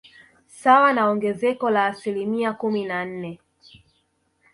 Sawa na ongezeko la asilimia kumi na nne